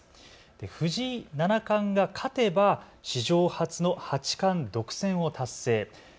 藤井七冠が勝てば史上初の八冠独占を達成。